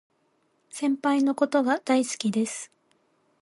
先輩のことが大好きです